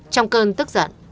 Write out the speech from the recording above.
trong cơn tức giận